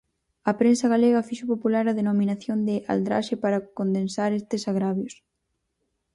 A prensa galega fixo popular a denominación de aldraxe para condensar estes agravios.